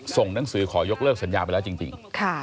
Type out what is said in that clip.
ส่งหนังสือขอยกเลิกสัญญาไปแล้วจริง